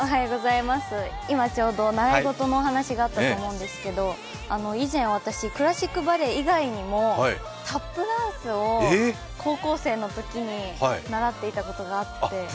今ちょうど習い事のお話があったと思うんですけど以前、私、クラシックバレエ以外にもタップダンスを高校生のときに習っていたことがあって。